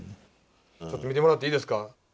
ちょっと見てもらっていいですか。